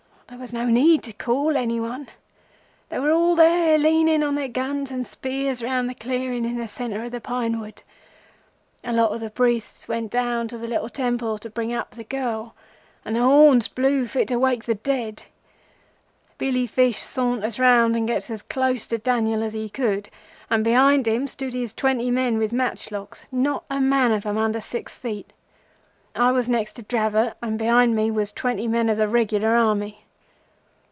"There was no need to call any one. They were all there leaning on their guns and spears round the clearing in the centre of the pine wood. A deputation of priests went down to the little temple to bring up the girl, and the horns blew up fit to wake the dead. Billy Fish saunters round and gets as close to Daniel as he could, and behind him stood his twenty men with matchlocks. Not a man of them under six feet. I was next to Dravot, and behind me was twenty men of the regular Army.